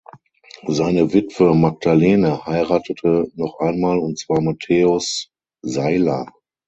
Seine Witwe Magdalene heiratete noch einmal und zwar Matthäus Seiler.